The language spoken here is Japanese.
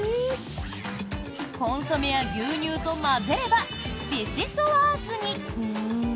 コンソメや牛乳と混ぜればビシソワーズに。